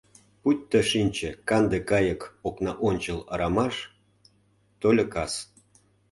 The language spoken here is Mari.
Пуйто шинче канде кайык окна ончыл арамаш — тольо кас.